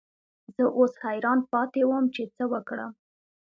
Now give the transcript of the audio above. زه اوس حیران پاتې وم چې څه وکړم.